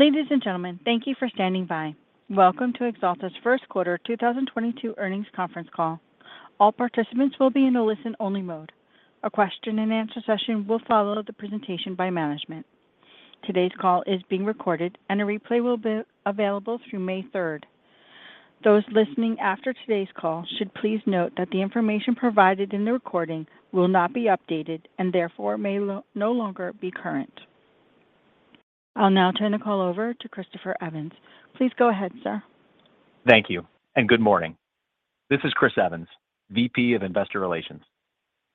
Ladies and gentlemen, thank you for standing by. Welcome to Axalta's first quarter 2022 earnings conference call. All participants will be in a listen-only mode. A question and answer session will follow the presentation by management. Today's call is being recorded, and a replay will be available through May 3rd. Those listening after today's call should please note that the information provided in the recording will not be updated and therefore may no longer be current. I'll now turn the call over to Christopher Evans. Please go ahead, sir. Thank you, and good morning. This is Chris Evans, VP of Investor Relations.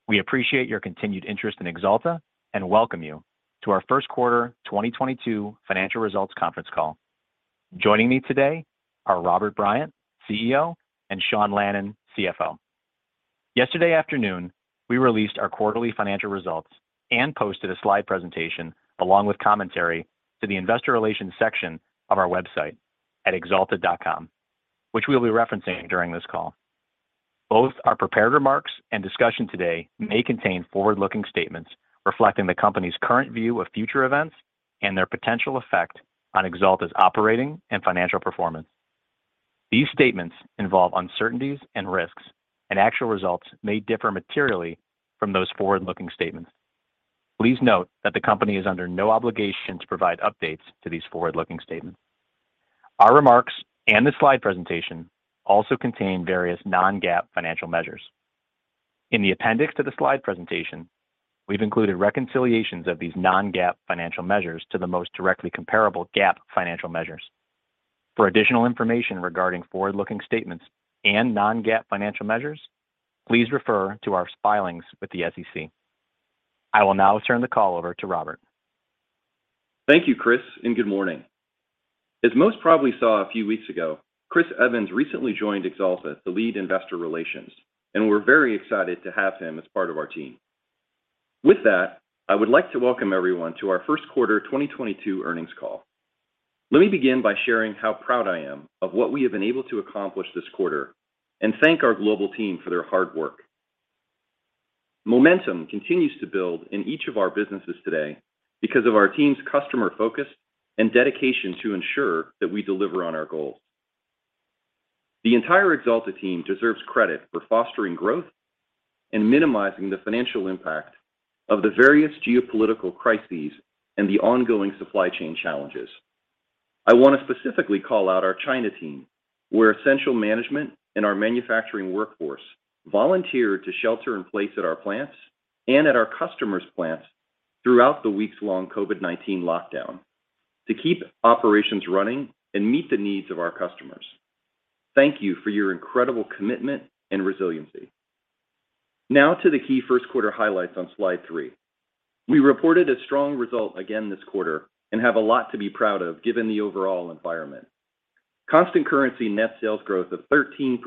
We appreciate your continued interest in Axalta, and welcome you to our first quarter 2022 financial results conference call. Joining me today are Robert Bryant, CEO, and Sean Lannon, CFO. Yesterday afternoon, we released our quarterly financial results and posted a slide presentation along with commentary to the investor relations section of our website at axalta.com, which we'll be referencing during this call. Both our prepared remarks and discussion today may contain forward-looking statements reflecting the company's current view of future events and their potential effect on Axalta's operating and financial performance. These statements involve uncertainties and risks, and actual results may differ materially from those forward-looking statements. Please note that the company is under no obligation to provide updates to these forward-looking statements. Our remarks and the slide presentation also contain various non-GAAP financial measures. In the appendix to the slide presentation, we've included reconciliations of these non-GAAP financial measures to the most directly comparable GAAP financial measures. For additional information regarding forward-looking statements and non-GAAP financial measures, please refer to our filings with the SEC. I will now turn the call over to Robert. Thank you, Chris, and good morning. As most probably saw a few weeks ago, Chris Evans recently joined Axalta as the lead investor relations, and we're very excited to have him as part of our team. With that, I would like to welcome everyone to our first quarter 2022 earnings call. Let me begin by sharing how proud I am of what we have been able to accomplish this quarter and thank our global team for their hard work. Momentum continues to build in each of our businesses today because of our team's customer focus and dedication to ensure that we deliver on our goals. The entire Axalta team deserves credit for fostering growth and minimizing the financial impact of the various geopolitical crises and the ongoing supply chain challenges. I wanna specifically call out our China team, where essential management and our manufacturing workforce volunteered to shelter in place at our plants and at our customers' plants throughout the weeks-long COVID-19 lockdown to keep operations running and meet the needs of our customers. Thank you for your incredible commitment and resiliency. Now to the key first quarter highlights on slide 3. We reported a strong result again this quarter and have a lot to be proud of given the overall environment. Constant currency net sales growth of 13%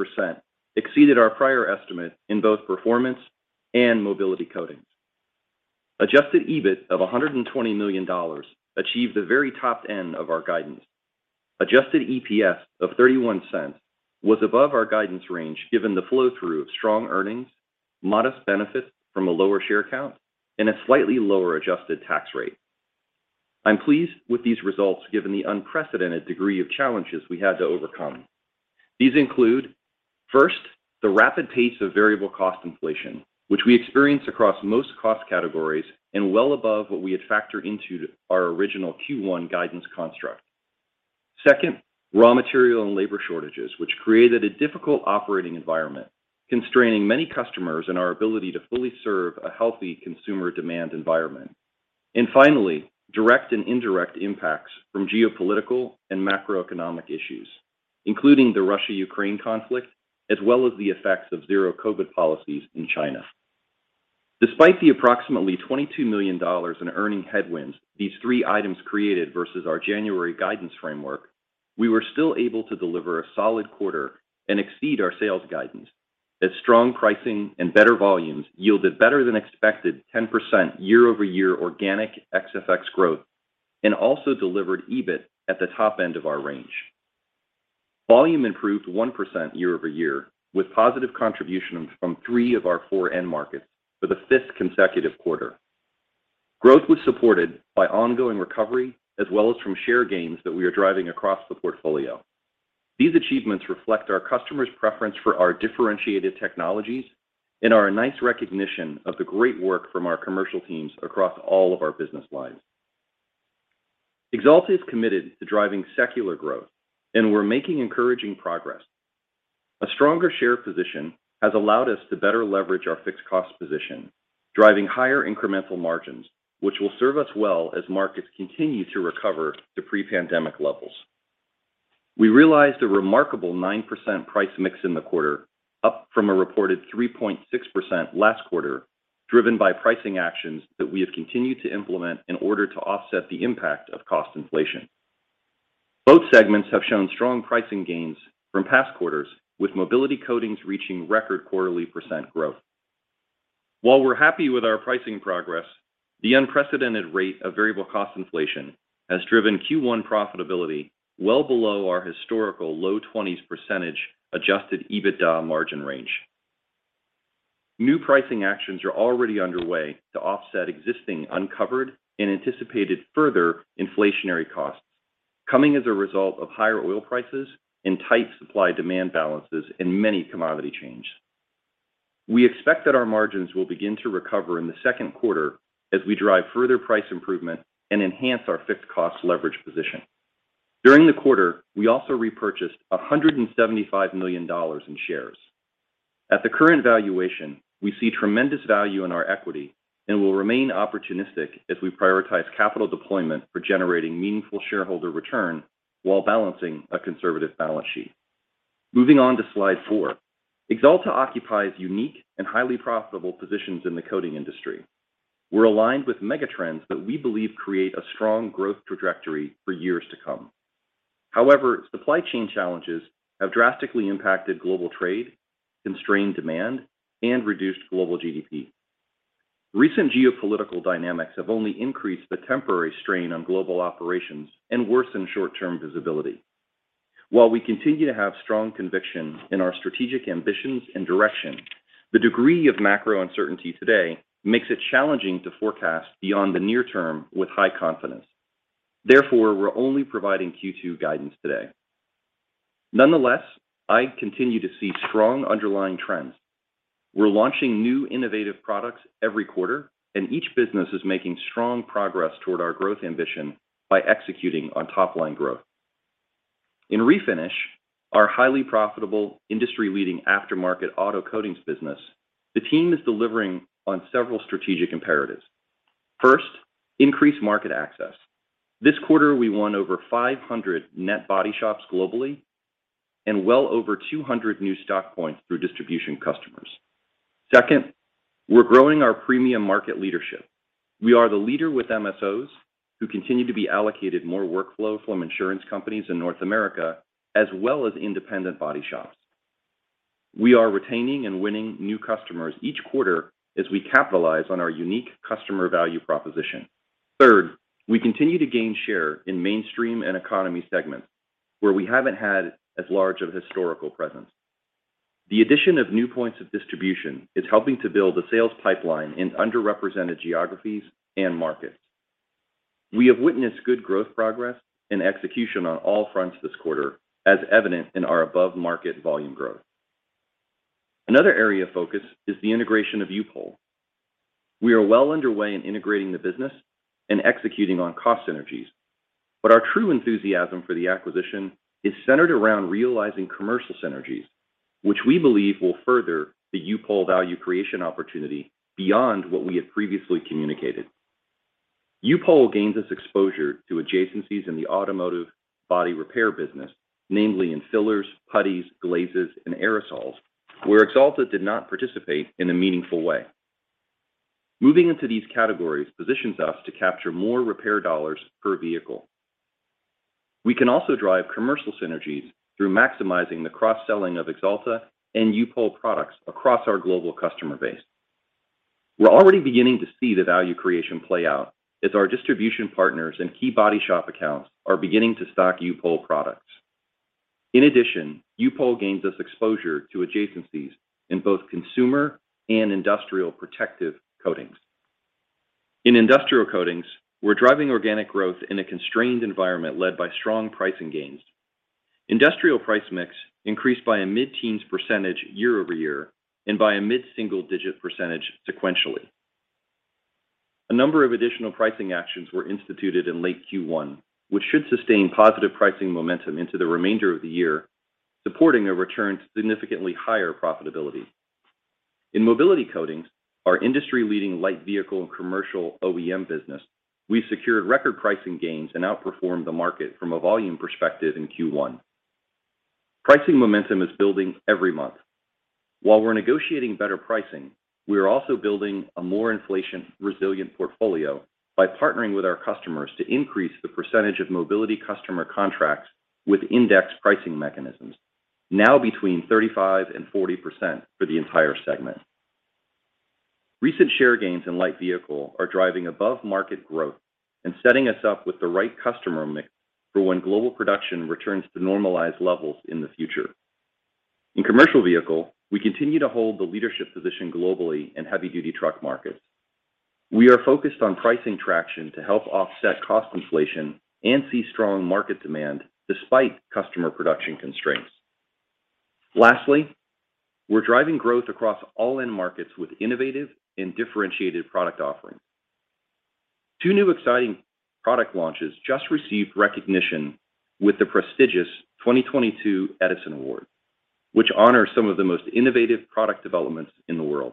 exceeded our prior estimate in both Performance and Mobility Coatings. Adjusted EBIT of $120 million achieved the very top end of our guidance. Adjusted EPS of $0.31 was above our guidance range given the flow through of strong earnings, modest benefits from a lower share count, and a slightly lower adjusted tax rate. I'm pleased with these results given the unprecedented degree of challenges we had to overcome. These include, first, the rapid pace of variable cost inflation, which we experienced across most cost categories and well above what we had factored into our original Q1 guidance construct. Second, raw material and labor shortages, which created a difficult operating environment, constraining many customers and our ability to fully serve a healthy consumer demand environment. Finally, direct and indirect impacts from geopolitical and macroeconomic issues, including the Russia-Ukraine conflict as well as the effects of zero-COVID policies in China. Despite the approximately $22 million in earning headwinds these three items created versus our January guidance framework, we were still able to deliver a solid quarter and exceed our sales guidance as strong pricing and better volumes yielded better than expected 10% year-over-year organic ex FX growth and also delivered EBIT at the top end of our range. Volume improved 1% year-over-year with positive contribution from three of our four end markets for the fifth consecutive quarter. Growth was supported by ongoing recovery as well as from share gains that we are driving across the portfolio. These achievements reflect our customers' preference for our differentiated technologies and are a nice recognition of the great work from our commercial teams across all of our business lines. Axalta is committed to driving secular growth, and we're making encouraging progress. A stronger share position has allowed us to better leverage our fixed cost position, driving higher incremental margins, which will serve us well as markets continue to recover to pre-pandemic levels. We realized a remarkable 9% price mix in the quarter, up from a reported 3.6% last quarter, driven by pricing actions that we have continued to implement in order to offset the impact of cost inflation. Both segments have shown strong pricing gains from past quarters, with Mobility Coatings reaching record quarterly % growth. While we're happy with our pricing progress, the unprecedented rate of variable cost inflation has driven Q1 profitability well below our historical low-20s percentage adjusted EBITDA margin range. New pricing actions are already underway to offset existing uncovered and anticipated further inflationary costs coming as a result of higher oil prices and tight supply-demand balances in many commodity chains. We expect that our margins will begin to recover in the second quarter as we drive further price improvement and enhance our fixed cost leverage position. During the quarter, we also repurchased $175 million in shares. At the current valuation, we see tremendous value in our equity and will remain opportunistic as we prioritize capital deployment for generating meaningful shareholder return while balancing a conservative balance sheet. Moving on to slide 4. Axalta occupies unique and highly profitable positions in the coating industry. We're aligned with megatrends that we believe create a strong growth trajectory for years to come. However, supply chain challenges have drastically impacted global trade, constrained demand, and reduced global GDP. Recent geopolitical dynamics have only increased the temporary strain on global operations and worsened short-term visibility. While we continue to have strong conviction in our strategic ambitions and direction, the degree of macro uncertainty today makes it challenging to forecast beyond the near term with high confidence. Therefore, we're only providing Q2 guidance today. Nonetheless, I continue to see strong underlying trends. We're launching new innovative products every quarter, and each business is making strong progress toward our growth ambition by executing on top-line growth. In Refinish, our highly profitable industry-leading aftermarket auto coatings business, the team is delivering on several strategic imperatives. First, increased market access. This quarter, we won over 500 net body shops globally and well over 200 new stock points through distribution customers. Second, we're growing our premium market leadership. We are the leader with MSOs who continue to be allocated more workflow from insurance companies in North America, as well as independent body shops. We are retaining and winning new customers each quarter as we capitalize on our unique customer value proposition. Third, we continue to gain share in mainstream and economy segments where we haven't had as large of a historical presence. The addition of new points of distribution is helping to build a sales pipeline in underrepresented geographies and markets. We have witnessed good growth progress and execution on all fronts this quarter, as evident in our above-market volume growth. Another area of focus is the integration of U-POL. We are well underway in integrating the business and executing on cost synergies. Our true enthusiasm for the acquisition is centered around realizing commercial synergies, which we believe will further the U-POL value creation opportunity beyond what we had previously communicated. U-POL gains us exposure to adjacencies in the automotive body repair business, namely in Fillers, Putties, Glazes, and Aerosol, where Axalta did not participate in a meaningful way. Moving into these categories positions us to capture more repair dollars per vehicle. We can also drive commercial synergies through maximizing the cross-selling of Axalta and U-POL products across our global customer base. We're already beginning to see the value creation play out as our distribution partners and key body shop accounts are beginning to stock U-POL products. In addition, U-POL gains us exposure to adjacencies in both consumer and industrial protective coatings. In Industrial Coatings, we're driving organic growth in a constrained environment led by strong pricing gains. Industrial price mix increased by a mid-teens percentage year-over-year and by a mid-single-digit percentage sequentially. A number of additional pricing actions were instituted in late Q1, which should sustain positive pricing momentum into the remainder of the year, supporting a return to significantly higher profitability. In Mobility Coatings, our industry-leading light vehicle and commercial OEM business, we secured record pricing gains and outperformed the market from a volume perspective in Q1. Pricing momentum is building every month. While we're negotiating better pricing, we are also building a more inflation-resilient portfolio by partnering with our customers to increase the percentage of mobility customer contracts with indexed pricing mechanisms, now between 35% and 40% for the entire segment. Recent share gains in Light Vehicle are driving above-market growth and setting us up with the right customer mix for when global production returns to normalized levels in the future. In Commercial Vehicle, we continue to hold the leadership position globally in heavy-duty truck markets. We are focused on pricing traction to help offset cost inflation and see strong market demand despite customer production constraints. We're driving growth across all end markets with innovative and differentiated product offerings. Two new exciting product launches just received recognition with the prestigious 2022 Edison Awards, which honors some of the most innovative product developments in the world.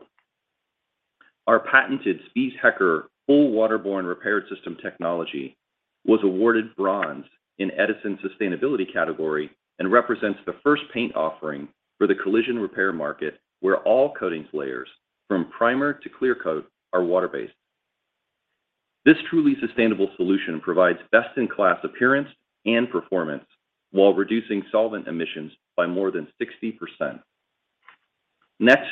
Our patented Spies Hecker full-waterborne repair system technology was awarded Bronze in Edison's sustainability category and represents the first paint offering for the collision repair market where all coatings layers from primer to clear coat are water-based. This truly sustainable solution provides best-in-class appearance and performance while reducing solvent emissions by more than 60%. Next,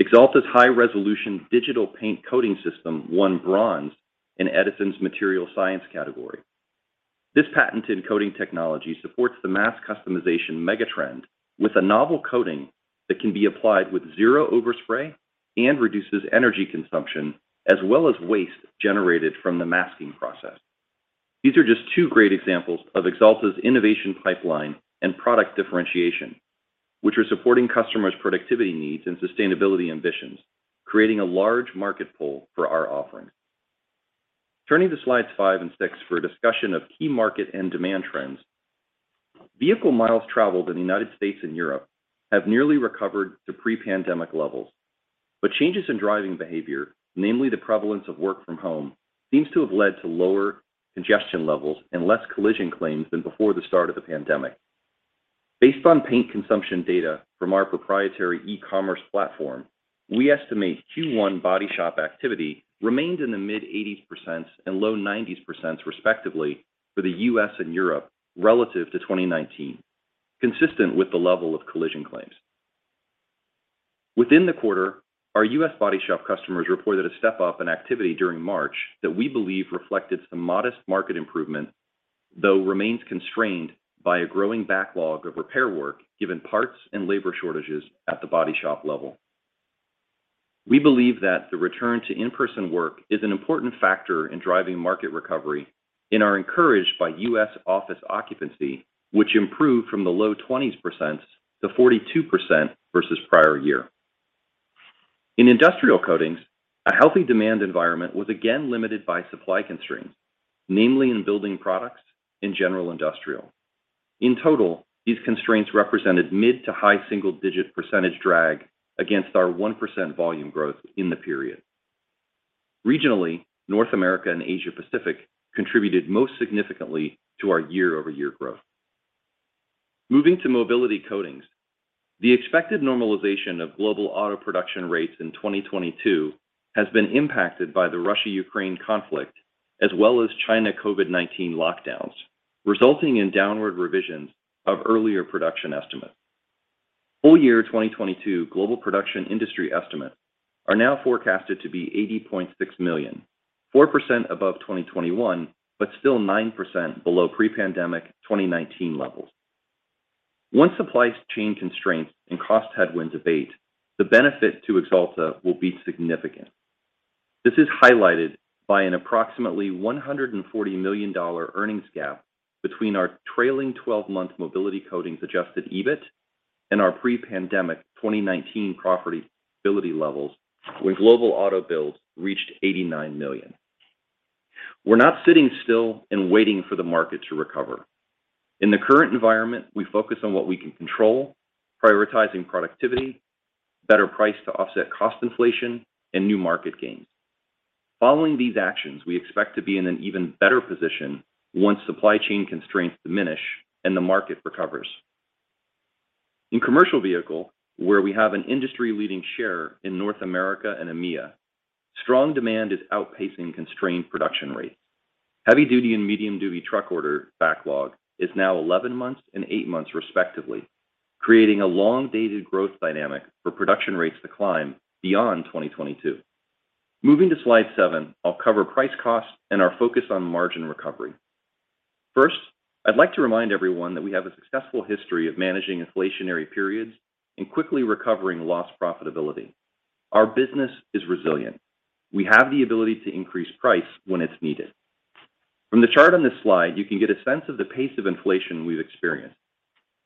Axalta's high-resolution digital paint coating system won Bronze in the Edison Awards' Materials Science category. This patented coating technology supports the mass customization megatrend with a novel coating that can be applied with zero overspray and reduces energy consumption as well as waste generated from the masking process. These are just two great examples of Axalta's innovation pipeline and product differentiation, which are supporting customers' productivity needs and sustainability ambitions, creating a large market pool for our offerings. Turning to slides 5 and 6 for a discussion of key market and demand trends. Vehicle miles traveled in the United States and Europe have nearly recovered to pre-pandemic levels, but changes in driving behavior, namely the prevalence of work from home, seems to have led to lower congestion levels and less collision claims than before the start of the pandemic. Based on paint consumption data from our proprietary e-commerce platform, we estimate Q1 body shop activity remained in the mid-80% and low-90% respectively for the U.S. and Europe relative to 2019, consistent with the level of collision claims. Within the quarter, our U.S. body shop customers reported a step-up in activity during March that we believe reflected some modest market improvement, though remains constrained by a growing backlog of repair work given parts and labor shortages at the body shop level. We believe that the return to in-person work is an important factor in driving market recovery and are encouraged by U.S. office occupancy, which improved from the low-20%s to 42% versus prior year. In Industrial Coatings, a healthy demand environment was again limited by supply constraints, namely in Building Products and General Industrial. In total, these constraints represented mid- to high single-digit percentage drag against our 1% volume growth in the period. Regionally, North America and Asia Pacific contributed most significantly to our year-over-year growth. Moving to Mobility Coatings, the expected normalization of global auto production rates in 2022 has been impacted by the Russia-Ukraine conflict as well as China COVID-19 lockdowns, resulting in downward revisions of earlier production estimates. Full year 2022 global production industry estimates are now forecasted to be 80.6 million, 4% above 2021, but still 9% below pre-pandemic 2019 levels. Once supply chain constraints and cost headwinds abate, the benefit to Axalta will be significant. This is highlighted by an approximately $140 million earnings gap between our trailing 12-month Mobility Coatings adjusted EBIT and our pre-pandemic 2019 profitability levels when global auto builds reached 89 million. We're not sitting still and waiting for the market to recover. In the current environment, we focus on what we can control, prioritizing productivity, better price to offset cost inflation, and new market gains. Following these actions, we expect to be in an even better position once supply chain constraints diminish and the market recovers. In Commercial Vehicle, where we have an industry-leading share in North America and EMEA, strong demand is outpacing constrained production rates. Heavy-duty and medium-duty truck order backlog is now 11 months and eight months respectively, creating a long-dated growth dynamic for production rates to climb beyond 2022. Moving to slide 7, I'll cover price cost and our focus on margin recovery. First, I'd like to remind everyone that we have a successful history of managing inflationary periods and quickly recovering lost profitability. Our business is resilient. We have the ability to increase price when it's needed. From the chart on this slide, you can get a sense of the pace of inflation we've experienced.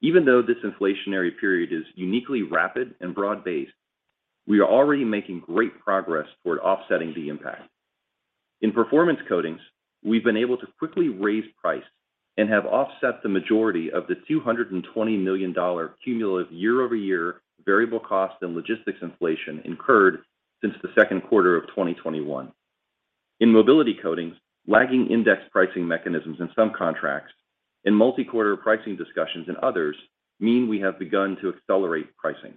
Even though this inflationary period is uniquely rapid and broad-based, we are already making great progress toward offsetting the impact. In Performance Coatings, we've been able to quickly raise price and have offset the majority of the $220 million cumulative year-over-year variable cost and logistics inflation incurred since the second quarter of 2021. In Mobility Coatings, lagging index pricing mechanisms in some contracts and multi-quarter pricing discussions in others mean we have begun to accelerate pricing.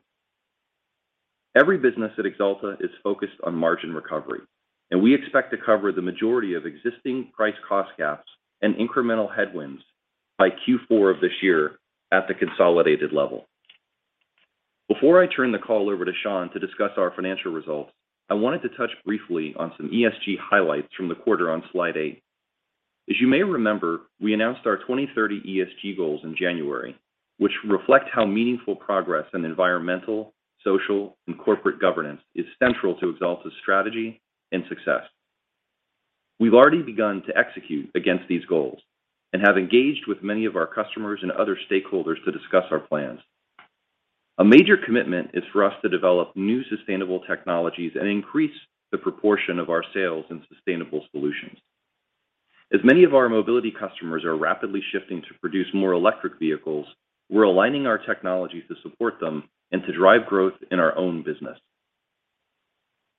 Every business at Axalta is focused on margin recovery, and we expect to cover the majority of existing price cost gaps and incremental headwinds by Q4 of this year at the consolidated level. Before I turn the call over to Sean to discuss our financial results, I wanted to touch briefly on some ESG highlights from the quarter on slide 8. As you may remember, we announced our 2030 ESG goals in January, which reflect how meaningful progress in environmental, social, and corporate governance is central to Axalta's strategy and success. We've already begun to execute against these goals and have engaged with many of our customers and other stakeholders to discuss our plans. A major commitment is for us to develop new sustainable technologies and increase the proportion of our sales in sustainable solutions. As many of our mobility customers are rapidly shifting to produce more electric vehicles, we're aligning our technology to support them and to drive growth in our own business.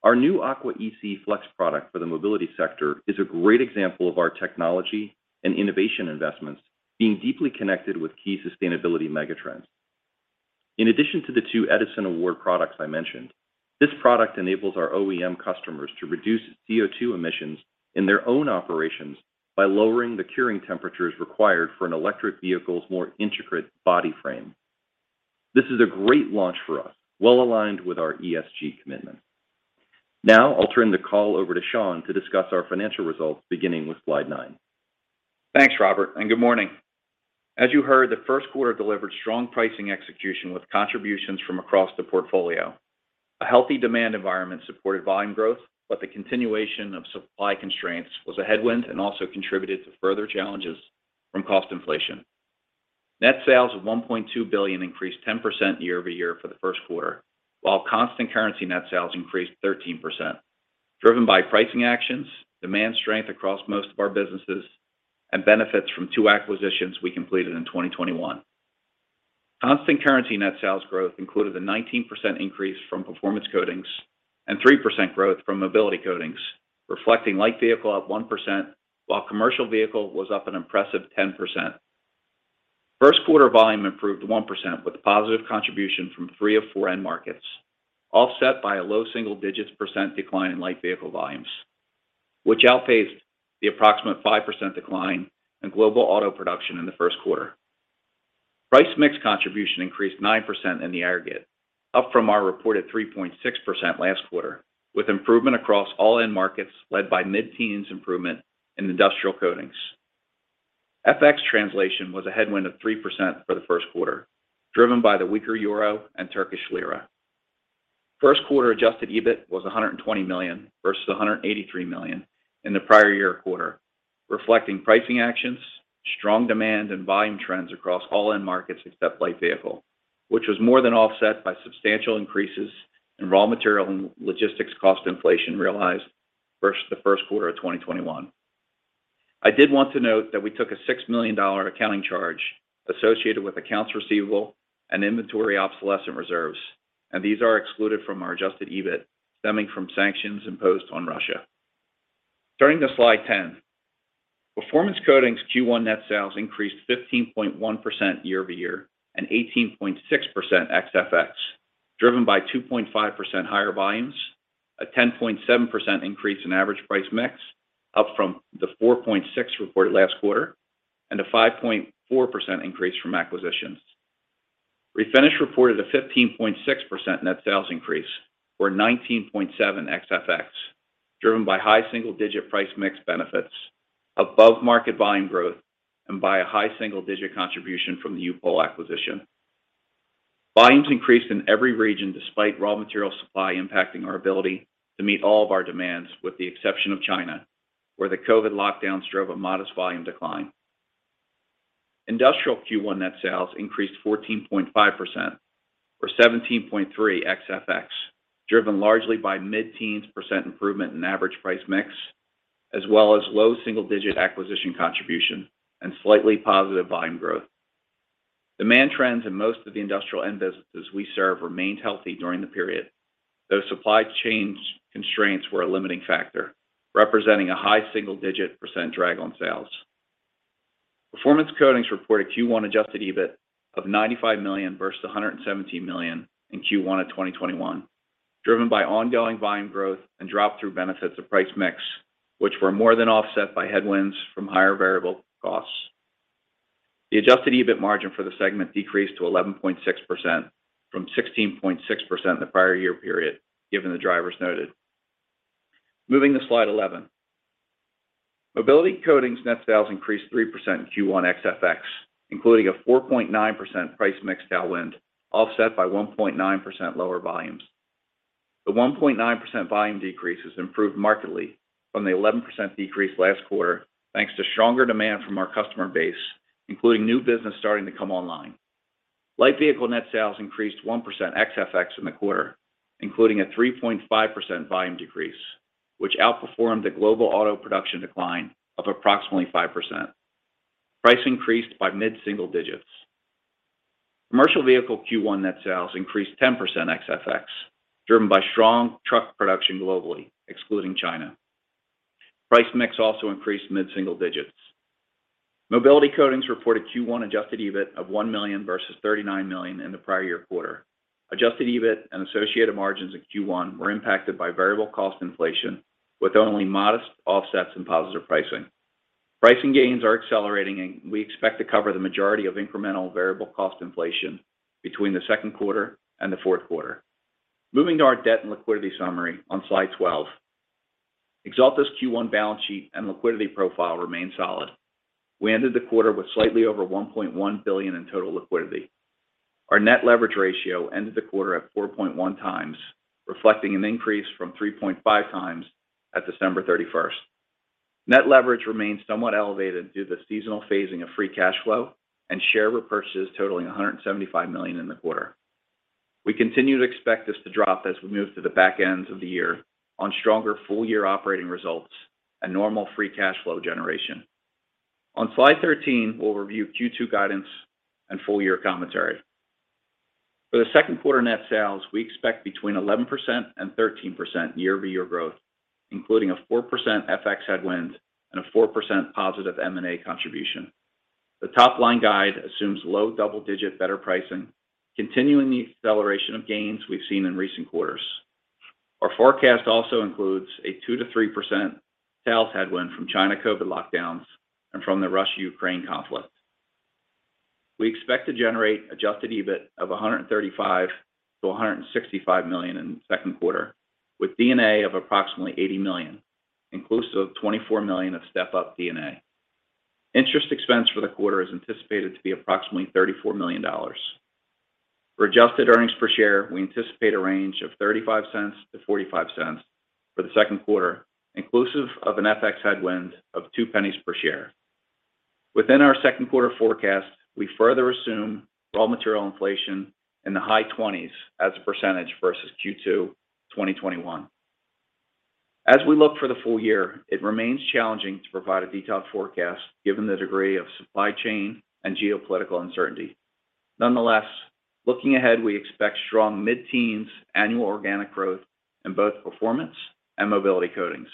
Our new AquaEC Flex product for the mobility sector is a great example of our technology and innovation investments being deeply connected with key sustainability megatrends. In addition to the two Edison Award products I mentioned, this product enables our OEM customers to reduce CO2 emissions in their own operations by lowering the curing temperatures required for an electric vehicle's more intricate body frame. This is a great launch for us, well-aligned with our ESG commitment. Now I'll turn the call over to Sean to discuss our financial results, beginning with slide 9. Thanks, Robert, and good morning. As you heard, the first quarter delivered strong pricing execution with contributions from across the portfolio. A healthy demand environment supported volume growth, but the continuation of supply constraints was a headwind and also contributed to further challenges from cost inflation. Net sales of $1.2 billion increased 10% year-over-year for the first quarter, while constant currency net sales increased 13%, driven by pricing actions, demand strength across most of our businesses, and benefits from two acquisitions we completed in 2021. Constant currency net sales growth included a 19% increase from Performance Coatings and 3% growth from Mobility Coatings, reflecting Light Vehicle up 1%, while Commercial Vehicle was up an impressive 10%. First quarter volume improved 1% with positive contribution from three of four end markets, offset by a low single-digits percent decline in Light Vehicle volumes, which outpaced the approximate 5% decline in global auto production in the first quarter. Price mix contribution increased 9% in the aggregate, up from our reported 3.6% last quarter, with improvement across all end markets led by mid-teens improvement in Industrial Coatings. FX translation was a headwind of 3% for the first quarter, driven by the weaker euro and Turkish lira. First quarter adjusted EBIT was $120 million versus $183 million in the prior year quarter, reflecting pricing actions, strong demand and volume trends across all end markets except Light Vehicle, which was more than offset by substantial increases in raw material and logistics cost inflation realized versus the first quarter of 2021. I did want to note that we took a $6 million accounting charge associated with accounts receivable and inventory obsolescence reserves, and these are excluded from our adjusted EBIT stemming from sanctions imposed on Russia. Turning to slide 10. Performance Coatings Q1 net sales increased 15.1% year-over-year and 18.6% ex FX, driven by 2.5% higher volumes, a 10.7% increase in average price mix, up from the 4.6% reported last quarter, and a 5.4% increase from acquisitions. Refinish reported a 15.6% net sales increase, or 19.7% ex FX, driven by high single digit price mix benefits, above-market volume growth, and by a high single digit contribution from the U-POL acquisition. Volumes increased in every region despite raw material supply impacting our ability to meet all of our demands with the exception of China, where the COVID lockdowns drove a modest volume decline. Industrial Q1 net sales increased 14.5% or 17.3 ex FX, driven largely by mid-teens percent improvement in average price mix, as well as low double-digit acquisition contribution and slightly positive volume growth. Demand trends in most of the industrial end businesses we serve remained healthy during the period, though supply chain constraints were a limiting factor, representing a high single-digit percent drag on sales. Performance Coatings reported Q1 adjusted EBIT of $95 million versus $117 million in Q1 of 2021, driven by ongoing volume growth and drop-through benefits of price mix, which were more than offset by headwinds from higher variable costs. The adjusted EBIT margin for the segment decreased to 11.6% from 16.6% the prior year period, given the drivers noted. Moving to slide 11. Mobility Coatings net sales increased 3% in Q1 ex FX, including a 4.9% price mix tailwind, offset by 1.9% lower volumes. The 1.9% volume decrease has improved markedly from the 11% decrease last quarter, thanks to stronger demand from our customer base, including new business starting to come online. Light Vehicle net sales increased 1% ex FX in the quarter, including a 3.5% volume decrease, which outperformed the global auto production decline of approximately 5%. Price increased by mid-single digits. Commercial Vehicle Q1 net sales increased 10% ex FX, driven by strong truck production globally, excluding China. Price mix also increased mid-single digits. Mobility Coatings reported Q1 adjusted EBIT of $1 million versus $39 million in the prior year quarter. Adjusted EBIT and associated margins in Q1 were impacted by variable cost inflation, with only modest offsets in positive pricing. Pricing gains are accelerating, and we expect to cover the majority of incremental variable cost inflation between the second quarter and the fourth quarter. Moving to our debt and liquidity summary on slide 12. Axalta's Q1 balance sheet and liquidity profile remain solid. We ended the quarter with slightly over $1.1 billion in total liquidity. Our net leverage ratio ended the quarter at 4.1x, reflecting an increase from 3.5x at December 31st. Net leverage remains somewhat elevated due to the seasonal phasing of free cash flow and share repurchases totaling $175 million in the quarter. We continue to expect this to drop as we move to the back half of the year on stronger full-year operating results and normal free cash flow generation. On slide 13, we'll review Q2 guidance and full-year commentary. For the second quarter net sales, we expect between 11% and 13% year-over-year growth, including a 4% FX headwind and a 4% positive M&A contribution. The top-line guide assumes low double-digit better pricing, continuing the acceleration of gains we've seen in recent quarters. Our forecast also includes a 2%-3% sales headwind from China COVID lockdowns and from the Russia-Ukraine conflict. We expect to generate adjusted EBIT of $135 million-$165 million in the second quarter, with D&A of approximately $80 million, inclusive of $24 million of step-up D&A. Interest expense for the quarter is anticipated to be approximately $34 million. For adjusted earnings per share, we anticipate a range of $0.35-$0.45 for the second quarter, inclusive of an FX headwind of $0.02 per share. Within our second quarter forecast, we further assume raw material inflation in the high 20%s versus Q2 2021. As we look for the full year, it remains challenging to provide a detailed forecast given the degree of supply chain and geopolitical uncertainty. Nonetheless, looking ahead, we expect strong mid-teens annual organic growth in both Performance Coatings and Mobility Coatings,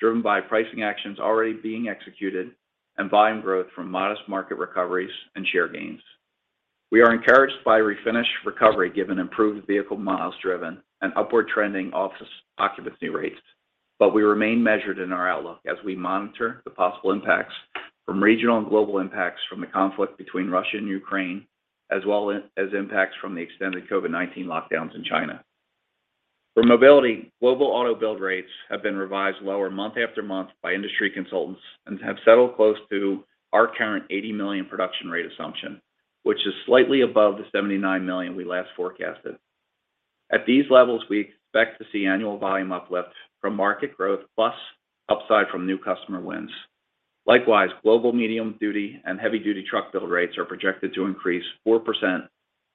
driven by pricing actions already being executed and volume growth from modest market recoveries and share gains. We are encouraged by Refinish recovery given improved vehicle miles driven and upward trending office occupancy rates, but we remain measured in our outlook as we monitor the possible impacts from regional and global impacts from the conflict between Russia and Ukraine, as well as impacts from the extended COVID-19 lockdowns in China. For Mobility, global auto build rates have been revised lower month after month by industry consultants and have settled close to our current 80 million production rate assumption, which is slightly above the 79 million we last forecasted. At these levels, we expect to see annual volume uplift from market growth plus upside from new customer wins. Likewise, global medium-duty and heavy-duty truck build rates are projected to increase 4%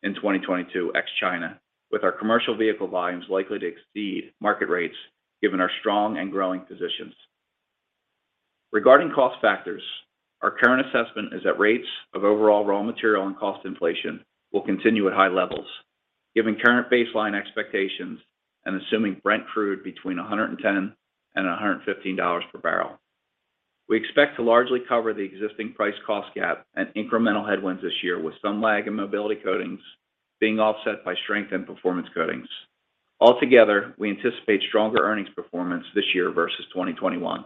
in 2022 ex-China, with our Commercial Vehicle volumes likely to exceed market rates given our strong and growing positions. Regarding cost factors, our current assessment is that rates of overall raw material and cost inflation will continue at high levels, given current baseline expectations and assuming Brent Crude between $110 and a $115 per barrel. We expect to largely cover the existing price cost gap and incremental headwinds this year with some lag in Mobility Coatings being offset by strength in Performance Coatings. Altogether, we anticipate stronger earnings performance this year versus 2021.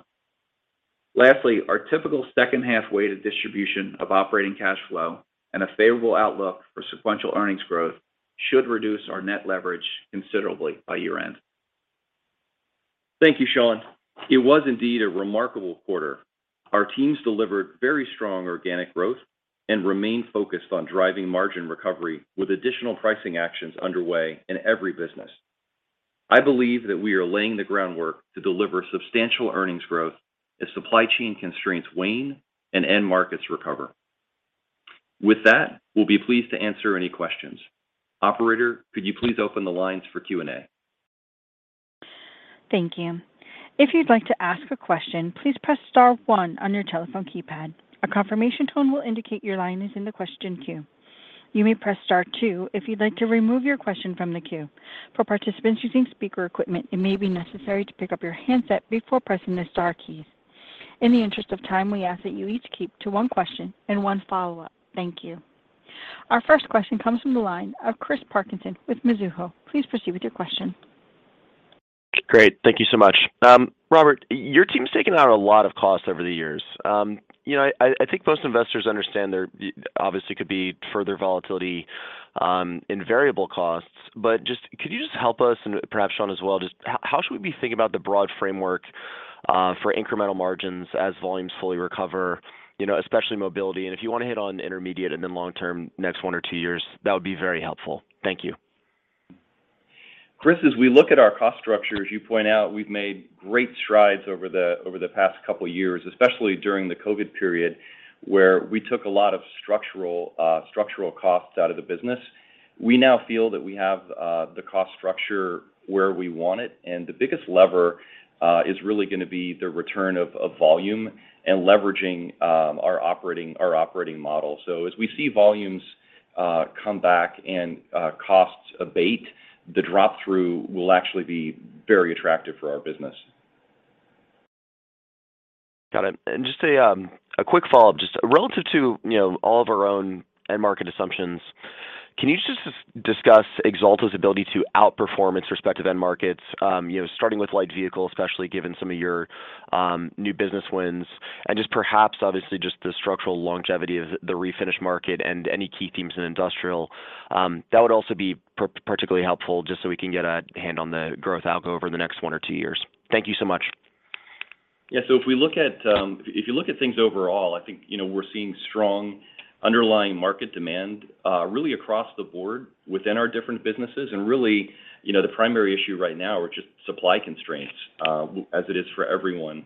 Lastly, our typical second half-weighted distribution of operating cash flow and a favorable outlook for sequential earnings growth should reduce our net leverage considerably by year-end. Thank you, Sean. It was indeed a remarkable quarter. Our teams delivered very strong organic growth and remain focused on driving margin recovery with additional pricing actions underway in every business. I believe that we are laying the groundwork to deliver substantial earnings growth as supply chain constraints wane and end markets recover. With that, we'll be pleased to answer any questions. Operator, could you please open the lines for Q&A? Thank you. If you'd like to ask a question, please press star one on your telephone keypad. A confirmation tone will indicate your line is in the question queue. You may press star two if you'd like to remove your question from the queue. For participants using speaker equipment, it may be necessary to pick up your handset before pressing the star keys. In the interest of time, we ask that you each keep to one question and one follow-up. Thank you. Our first question comes from the line of Chris Parkinson with Mizuho. Please proceed with your question. Great. Thank you so much. Robert, your team's taken out a lot of costs over the years. You know, I think most investors understand there obviously could be further volatility in variable costs. But could you just help us, and perhaps Sean as well, how should we be thinking about the broad framework for incremental margins as volumes fully recover, you know, especially Mobility? If you wanna hit on intermediate and then long-term next one or two years, that would be very helpful. Thank you. Chris, as we look at our cost structure, as you point out, we've made great strides over the past couple of years, especially during the COVID period, where we took a lot of structural costs out of the business. We now feel that we have the cost structure where we want it, and the biggest lever is really gonna be the return of volume and leveraging our operating model. As we see volumes come back and costs abate, the drop-through will actually be very attractive for our business. Got it. Just a quick follow-up. Just relative to, you know, all of our own end market assumptions, can you just discuss Axalta's ability to outperform its respective end markets, you know, starting with Light Vehicles, especially given some of your new business wins, and just perhaps obviously just the structural longevity of the refinish market and any key themes in industrial that would also be particularly helpful just so we can get a hand on the growth outlook over the next one or two years. Thank you so much. Yeah. If you look at things overall, I think, you know, we're seeing strong underlying market demand, really across the board within our different businesses. Really, you know, the primary issue right now are just supply constraints, as it is for everyone.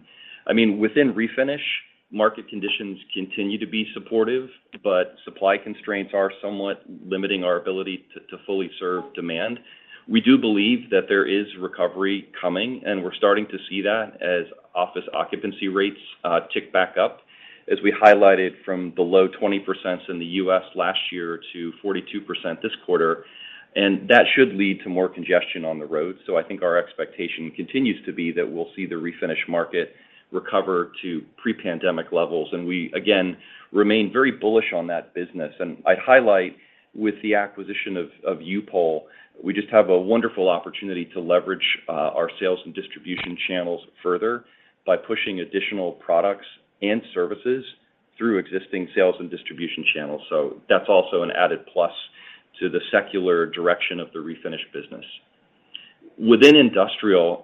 I mean, within Refinish, market conditions continue to be supportive, but supply constraints are somewhat limiting our ability to fully serve demand. We do believe that there is recovery coming, and we're starting to see that as office occupancy rates tick back up, as we highlighted from the low 20% in the U.S. last year to 42% this quarter. That should lead to more congestion on the road. I think our expectation continues to be that we'll see the Refinish market recover to pre-pandemic levels. We, again, remain very bullish on that business. I'd highlight with the acquisition of U-POL, we just have a wonderful opportunity to leverage our sales and distribution channels further by pushing additional products and services through existing sales and distribution channels. That's also an added plus to the secular direction of the Refinish business. Within Industrial,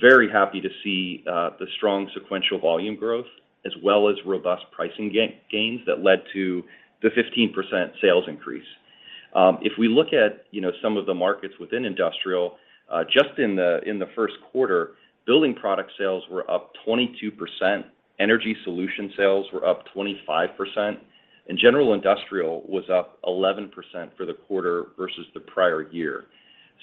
very happy to see the strong sequential volume growth as well as robust pricing gains that led to the 15% sales increase. If we look at some of the markets within Industrial, just in the first quarter, Building Products sales were up 22%. Energy Solutions sales were up 25%, and General Industrial was up 11% for the quarter versus the prior year.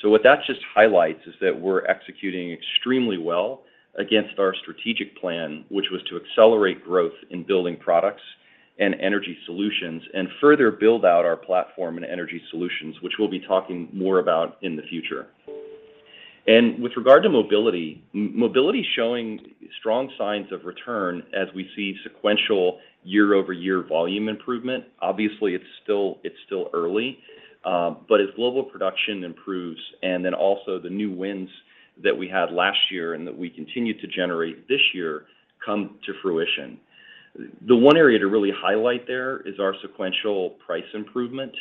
What that just highlights is that we're executing extremely well against our strategic plan, which was to accelerate growth in Building Products and Energy Solutions, and further build out our platform and Energy Solutions, which we'll be talking more about in the future. With regard to Mobility is showing strong signs of return as we see sequential year-over-year volume improvement. Obviously, it's still early, but as global production improves and then also the new wins that we had last year and that we continue to generate this year come to fruition. The one area to really highlight there is our sequential price improvement.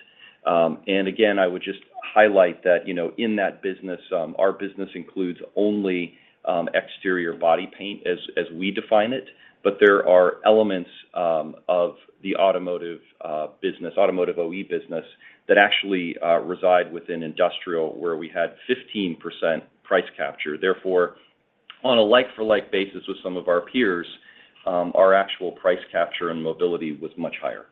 Again, I would just highlight that, you know, in that business, our business includes only exterior body paint as we define it. There are elements of the automotive business, automotive OEM business that actually reside within Industrial, where we had 15% price capture. Therefore, on a like-for-like basis with some of our peers, our actual price capture in mobility was much higher.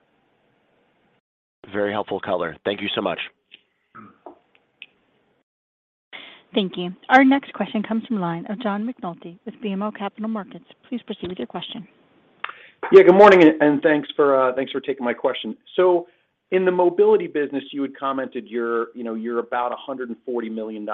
Very helpful color. Thank you so much. Thank you. Our next question comes from the line of John McNulty with BMO Capital Markets. Please proceed with your question. Yeah, good morning, and thanks for taking my question. In the Mobility business, you had commented you're, you know, about $140 million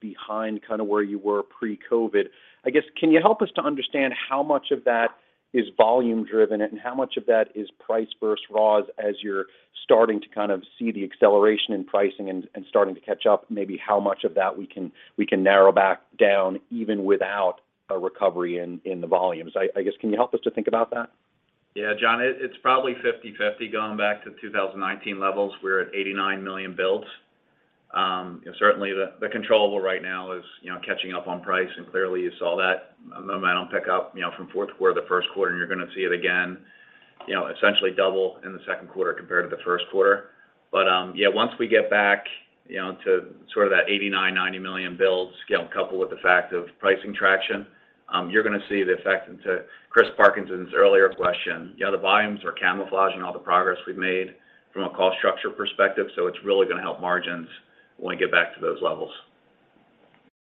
behind kind of where you were pre-COVID. I guess, can you help us to understand how much of that is volume driven and how much of that is price versus raws as you're starting to kind of see the acceleration in pricing and starting to catch up? Maybe how much of that we can narrow back down even without a recovery in the volumes. I guess, can you help us to think about that? Yeah, John, it's probably 50/50 going back to 2019 levels. We're at 89 million builds. Certainly the controllable right now is, you know, catching up on price, and clearly you saw that amount pick up, you know, from fourth quarter to first quarter, and you're gonna see it again, you know, essentially double in the second quarter compared to the first quarter. Yeah, once we get back, you know, to sort of that 89, 90 million build scale, coupled with the fact of pricing traction, you're gonna see the effect. To Chris Parkinson's earlier question, you know, the volumes are camouflaging all the progress we've made from a cost structure perspective, so it's really gonna help margins when we get back to those levels.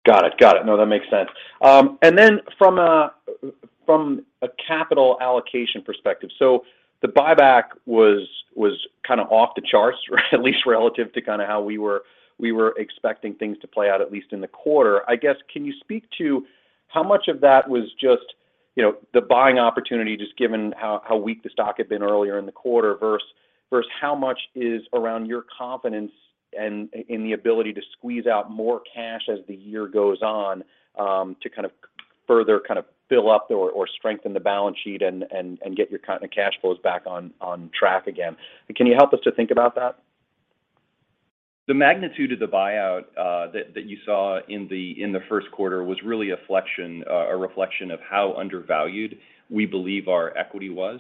Got it. No, that makes sense. From a capital allocation perspective, so the buyback was kind of off the charts, right? At least relative to kind of how we were expecting things to play out, at least in the quarter. I guess, can you speak to how much of that was just, you know, the buying opportunity, just given how weak the stock had been earlier in the quarter, versus how much is around your confidence in the ability to squeeze out more cash as the year goes on, to kind of further kind of build up or strengthen the balance sheet and get the cash flows back on track again? Can you help us to think about that? The magnitude of the buyout that you saw in the first quarter was really a reflection of how undervalued we believe our equity was.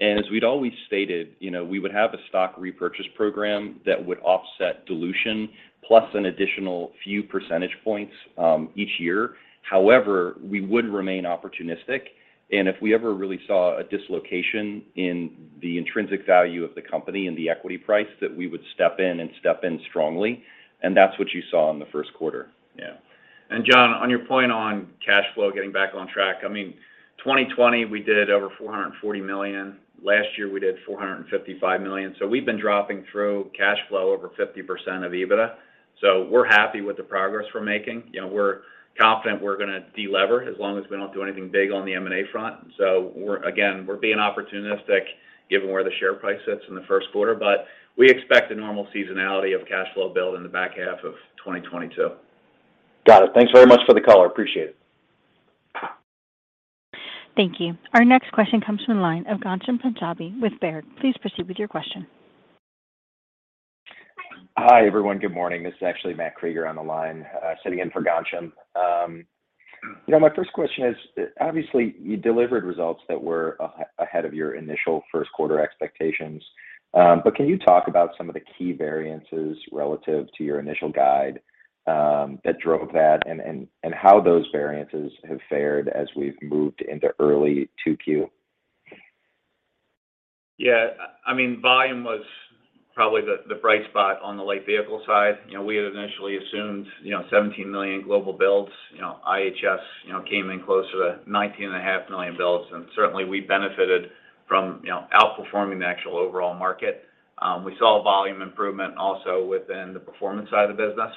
As we'd always stated, you know, we would have a stock repurchase program that would offset dilution plus an additional few percentage points each year. However, we would remain opportunistic, and if we ever really saw a dislocation in the intrinsic value of the company and the equity price, that we would step in strongly. That's what you saw in the first quarter. Yeah. John, on your point on cash flow getting back on track, I mean, 2020 we did over $440 million. Last year we did $455 million. We've been dropping through cash flow over 50% of EBITDA. We're happy with the progress we're making. You know, we're confident we're gonna delever as long as we don't do anything big on the M&A front. We're, again, being opportunistic given where the share price sits in the first quarter, but we expect a normal seasonality of cash flow build in the back half of 2022. Got it. Thanks very much for the color. Appreciate it. Thank you. Our next question comes from the line of Ghansham Panjabi with Baird. Please proceed with your question. Hi. Hi, everyone. Good morning. This is actually Matt Krueger on the line, sitting in for Ghansham. You know, my first question is, obviously you delivered results that were ahead of your initial first quarter expectations. Can you talk about some of the key variances relative to your initial guide, that drove that and how those variances have fared as we've moved into early 2Q? Yeah. I mean, volume was probably the bright spot on the Light Vehicle side. You know, we had initially assumed, you know, 17 million global builds. You know, IHS, you know, came in closer to 19.5 million builds, and certainly we benefited from, you know, outperforming the actual overall market. We saw volume improvement also within the Performance side of the business.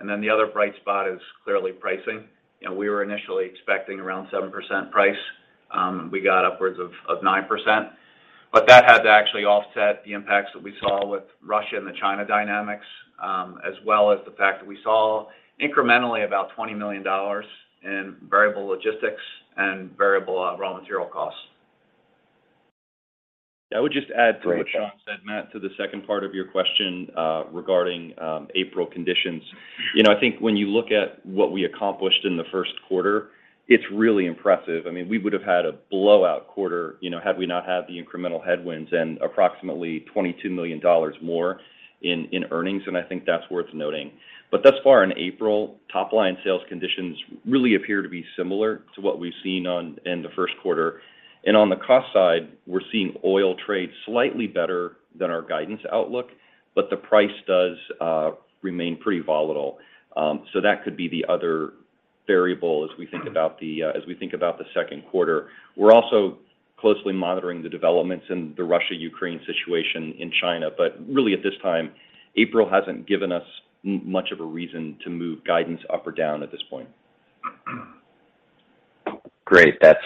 The other bright spot is clearly pricing. You know, we were initially expecting around 7% price, we got upwards of 9%. That had to actually offset the impacts that we saw with Russia and the China dynamics, as well as the fact that we saw incrementally about $20 million in variable logistics and variable raw material costs. I would just add to what Sean said, Matt, to the second part of your question, regarding April conditions. You know, I think when you look at what we accomplished in the first quarter, it's really impressive. I mean, we would have had a blowout quarter, you know, had we not had the incremental headwinds and approximately $22 million more in earnings, and I think that's worth noting. Thus far in April, top-line sales conditions really appear to be similar to what we've seen in the first quarter. On the cost side, we're seeing oil trade slightly better than our guidance outlook, but the price does remain pretty volatile. So that could be the other variable as we think about the second quarter. We're also closely monitoring the developments in the Russia-Ukraine situation in China. Really, at this time, April hasn't given us much of a reason to move guidance up or down at this point. Great. That's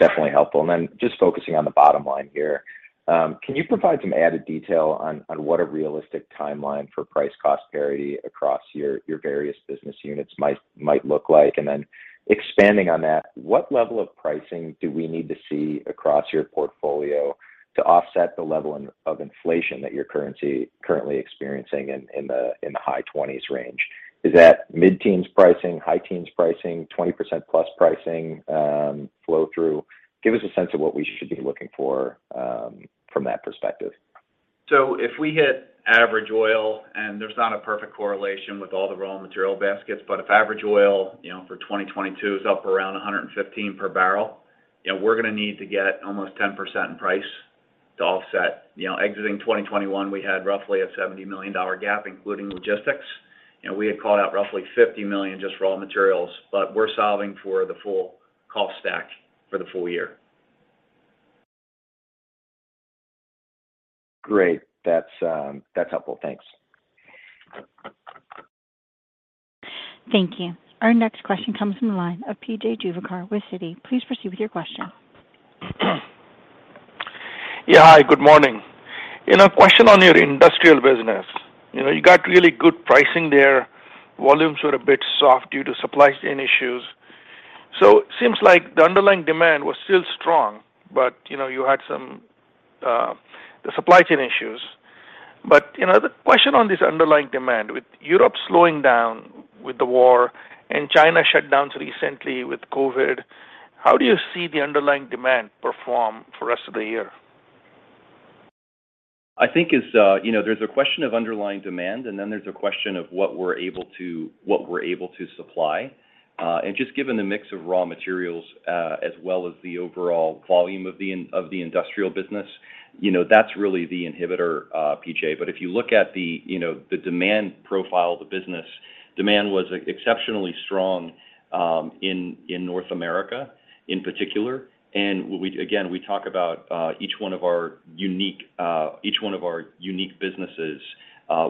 definitely helpful. Then just focusing on the bottom line here, can you provide some added detail on what a realistic timeline for price cost parity across your various business units might look like? Then expanding on that, what level of pricing do we need to see across your portfolio to offset the level of inflation that you're currently experiencing in the high-20%s range? Is that mid-teens pricing, high-teens pricing, 20% plus pricing, flow through? Give us a sense of what we should be looking for from that perspective. If we hit average oil, and there's not a perfect correlation with all the raw material baskets, but if average oil, you know, for 2022 is up around $115 per barrel, you know, we're gonna need to get almost 10% in price to offset. You know, exiting 2021, we had roughly a $70 million gap, including logistics. You know, we had called out roughly $50 million just raw materials, but we're solving for the full cost stack for the full year. Great. That's helpful. Thanks. Thank you. Our next question comes from the line of P.J. Juvekar with Citi. Please proceed with your question. Yeah. Hi, good morning. You know, question on your Industrial business. You know, you got really good pricing there. Volumes were a bit soft due to supply chain issues. Seems like the underlying demand was still strong, but, you know, you had some the supply chain issues. But, you know, the question on this underlying demand, with Europe slowing down with the war and China shutdowns recently with COVID, how do you see the underlying demand perform for rest of the year? I think it's, you know, there's a question of underlying demand, and then there's a question of what we're able to supply. Just given the mix of raw materials, as well as the overall volume of the Industrial business, that's really the inhibitor, P.J. If you look at the demand profile of the business, demand was exceptionally strong in North America in particular. Again, we talk about each one of our unique businesses.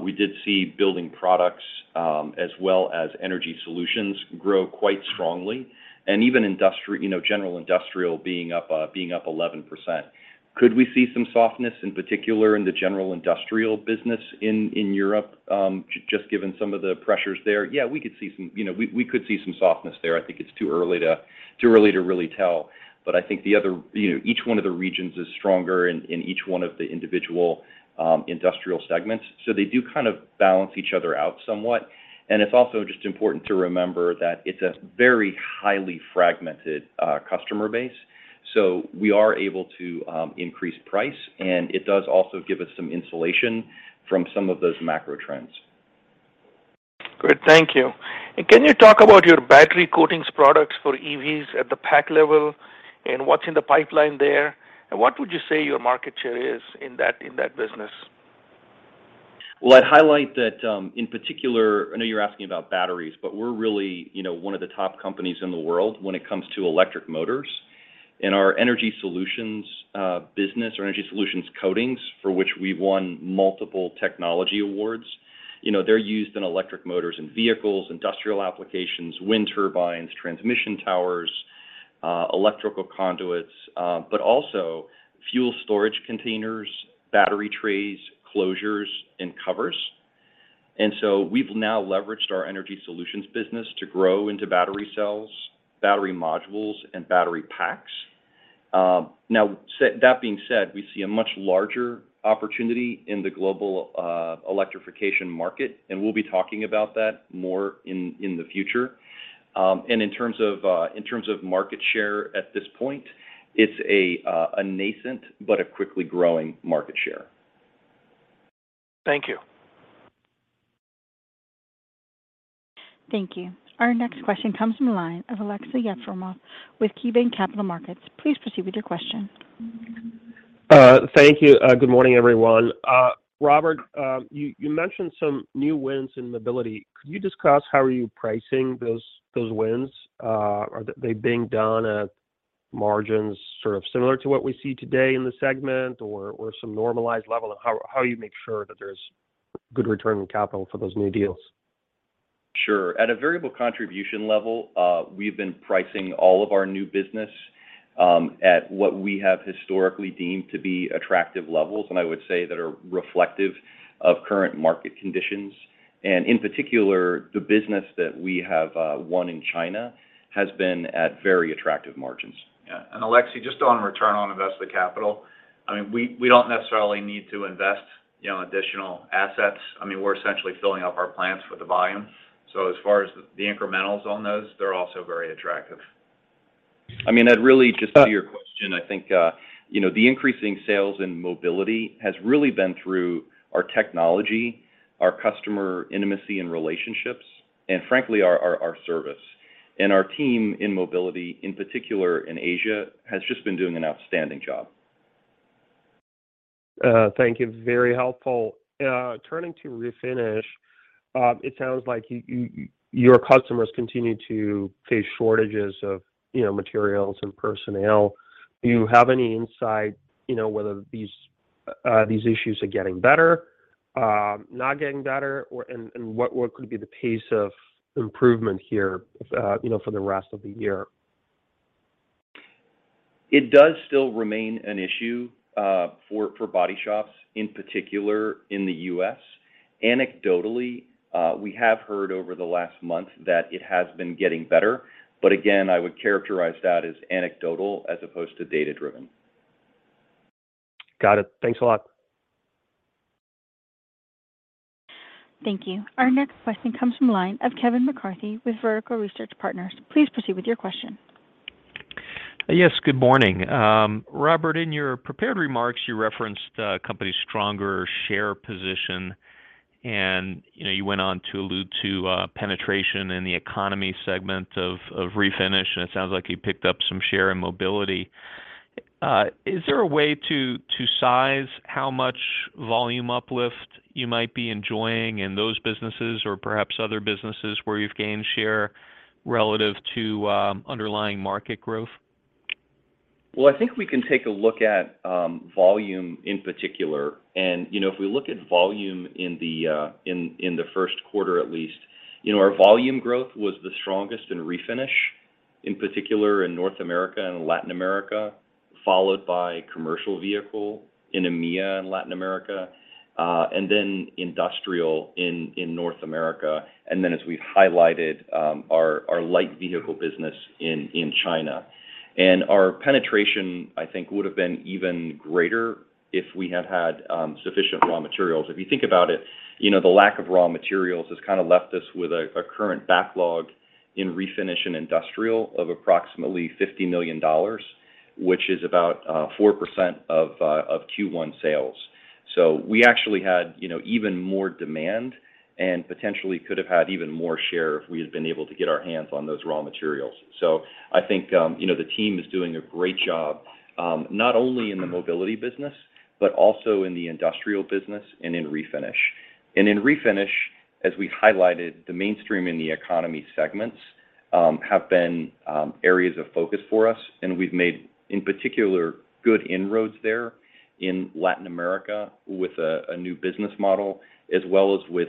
We did see Building Products, as well as Energy Solutions grow quite strongly. Even General Industrial being up 11%. Could we see some softness in particular in the General Industrial business in Europe, just given some of the pressures there? Yeah, you know, we could see some softness there. I think it's too early to really tell. You know, each one of the regions is stronger in each one of the individual industrial segments, so they do kind of balance each other out somewhat. It's also just important to remember that it's a very highly fragmented customer base. We are able to increase price, and it does also give us some insulation from some of those macro trends. Great. Thank you. Can you talk about your battery coatings products for EVs at the pack level and what's in the pipeline there? What would you say your market share is in that business? Well, I'd highlight that, in particular, I know you're asking about batteries, but we're really, you know, one of the top companies in the world when it comes to electric motors. In our Energy Solutions business or Energy Solutions coatings, for which we've won multiple technology awards, you know, they're used in electric motors and vehicles, industrial applications, wind turbines, transmission towers, electrical conduits, but also fuel storage containers, battery trays, closures, and covers. We've now leveraged our Energy Solutions business to grow into battery cells, battery modules, and battery packs. That being said, we see a much larger opportunity in the global electrification market, and we'll be talking about that more in the future. In terms of market share at this point, it's a nascent but a quickly growing market share. Thank you. Thank you. Our next question comes from the line of Aleksey Yefremov with KeyBanc Capital Markets. Please proceed with your question. Thank you. Good morning, everyone. Robert, you mentioned some new wins in mobility. Could you discuss how are you pricing those wins? Are they being done at margins sort of similar to what we see today in the segment or some normalized level? How you make sure that there's good return on capital for those new deals? Sure. At a variable contribution level, we've been pricing all of our new business at what we have historically deemed to be attractive levels, and I would say that are reflective of current market conditions. In particular, the business that we have won in China has been at very attractive margins. Yeah. Aleksey, just on return on invested capital, I mean, we don't necessarily need to invest, you know, additional assets. I mean, we're essentially filling up our plants with the volume. As far as the incrementals on those, they're also very attractive. I mean, I'd, really just to add to your question, I think, you know, the increasing sales in Mobility has really been through our technology, our customer intimacy and relationships, and frankly, our service. Our team in mobility, in particular in Asia, has just been doing an outstanding job. Thank you. Very helpful. Turning to Refinish, it sounds like your customers continue to face shortages of, you know, materials and personnel. Do you have any insight, you know, whether these issues are getting better, not getting better, or and what could be the pace of improvement here, you know, for the rest of the year? It does still remain an issue, for body shops, in particular in the U.S. Anecdotally, we have heard over the last month that it has been getting better, but again, I would characterize that as anecdotal as opposed to data-driven. Got it. Thanks a lot. Thank you. Our next question comes from the line of Kevin McCarthy with Vertical Research Partners. Please proceed with your question. Yes. Good morning. Robert, in your prepared remarks, you referenced the company's stronger share position and, you know, you went on to allude to penetration in the economy segment of Refinish, and it sounds like you picked up some share in Mobility. Is there a way to size how much volume uplift you might be enjoying in those businesses or perhaps other businesses where you've gained share relative to underlying market growth? Well, I think we can take a look at volume in particular. You know, if we look at volume in the first quarter at least, you know, our volume growth was the strongest in Refinish, in particular in North America and Latin America, followed by Commercial Vehicle in EMEA and Latin America, and then Industrial in North America, and then as we've highlighted, our Light Vehicle business in China. Our penetration, I think, would have been even greater if we had had sufficient raw materials. If you think about it, you know, the lack of raw materials has kind of left us with a current backlog in Refinish and Industrial of approximately $50 million, which is about 4% of Q1 sales. We actually had, you know, even more demand and potentially could have had even more share if we had been able to get our hands on those raw materials. I think, you know, the team is doing a great job, not only in the Mobility business, but also in the Industrial business and in Refinish. In Refinish, as we highlighted, the mainstream and the economy segments have been areas of focus for us, and we've made, in particular, good inroads there in Latin America with a new business model, as well as with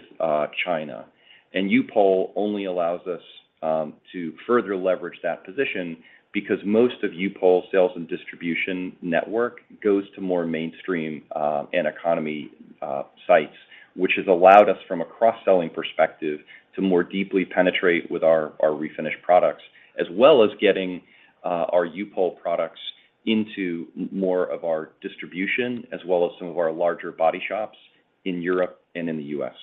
China. U-POL only allows us to further leverage that position because most of U-POL's sales and distribution network goes to more mainstream and economy sites, which has allowed us from a cross-selling perspective to more deeply penetrate with our Refinish products, as well as getting our U-POL products into more of our distribution, as well as some of our larger body shops in Europe and in the U.S.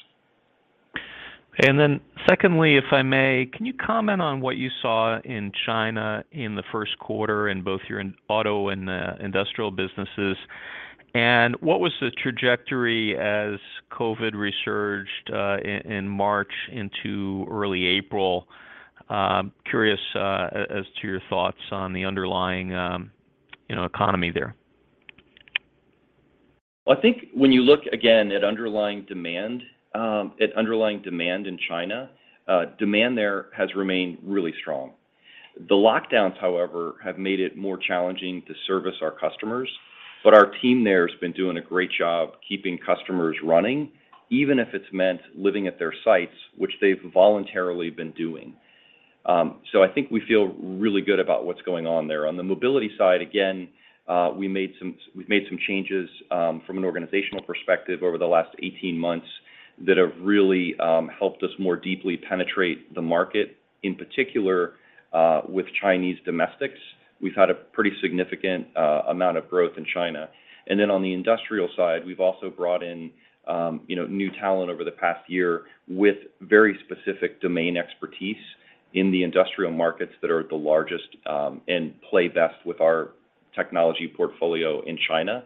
Then secondly, if I may, can you comment on what you saw in China in the first quarter in both your auto and industrial businesses? What was the trajectory as COVID resurged in March into early April? Curious as to your thoughts on the underlying, you know, economy there. I think when you look again at underlying demand in China, demand there has remained really strong. The lockdowns, however, have made it more challenging to service our customers, but our team there has been doing a great job keeping customers running, even if it's meant living at their sites, which they've voluntarily been doing. So I think we feel really good about what's going on there. On the Mobility side, again, we've made some changes from an organizational perspective over the last 18 months that have really helped us more deeply penetrate the market, in particular, with Chinese domestics. We've had a pretty significant amount of growth in China. On the Industrial side, we've also brought in, you know, new talent over the past year with very specific domain expertise in the industrial markets that are the largest and play best with our technology portfolio in China.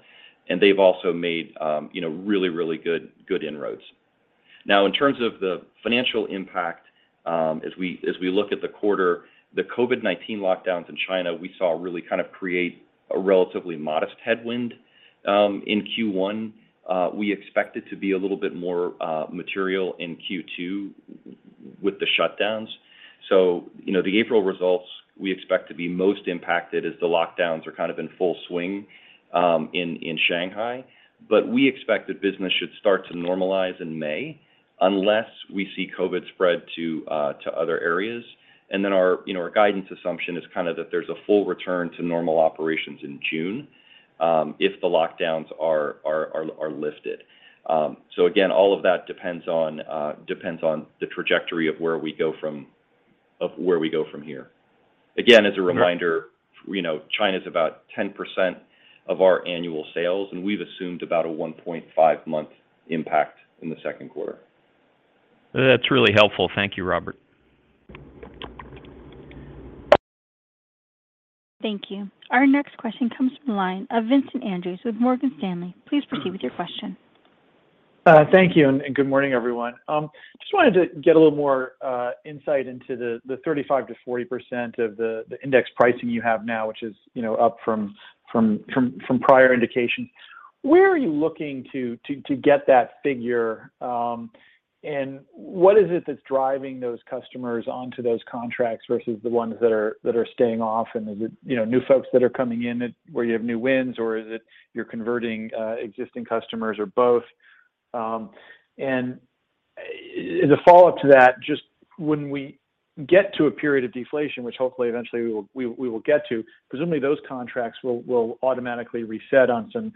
They've also made, you know, really good inroads. Now, in terms of the financial impact, as we look at the quarter, the COVID-19 lockdowns in China we saw really kind of create a relatively modest headwind in Q1. We expect it to be a little bit more material in Q2 with the shutdowns. You know, the April results we expect to be most impacted as the lockdowns are kind of in full swing in Shanghai. We expect that business should start to normalize in May, unless we see COVID-19 spread to other areas. Our you know our guidance assumption is kind of that there's a full return to normal operations in June if the lockdowns are lifted. All of that depends on the trajectory of where we go from here. Again, as a reminder, you know, China's about 10% of our annual sales, and we've assumed about a 1.5-month impact in the second quarter. That's really helpful. Thank you, Robert. Thank you. Our next question comes from the line of Vincent Andrews with Morgan Stanley. Please proceed with your question. Thank you, and good morning, everyone. Just wanted to get a little more insight into the 35%-40% of the index pricing you have now, which is, you know, up from prior indications. Where are you looking to get that figure? And what is it that's driving those customers onto those contracts versus the ones that are staying off? And is it, you know, new folks that are coming in at where you have new wins, or is it you're converting existing customers, or both? As a follow-up to that, just when we get to a period of deflation, which hopefully eventually we will get to, presumably those contracts will automatically reset on some